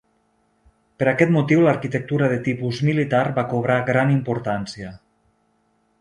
Per aquest motiu l'arquitectura de tipus militar va cobrar gran importància.